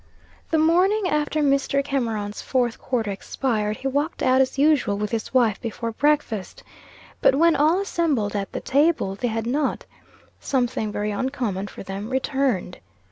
The morning after Mr. Cameron's fourth quarter expired, he walked out, as usual, with his wife before breakfast. But when all assembled at the table, they had not (something very uncommon for them) returned.